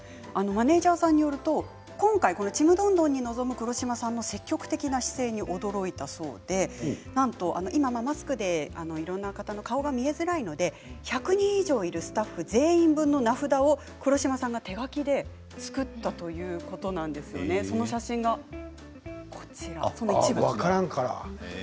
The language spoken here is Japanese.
マネージャーさんによりますと今回「ちむどんどん」に臨む黒島さんの積極的な姿勢に驚いたということで、今マスクでいろんな方の顔が見えづらいので１００人以上いるスタッフの全員分の名札を黒島さんが手書きで作ったということなんですけどその写真があります。